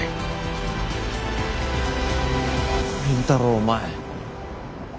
倫太郎お前。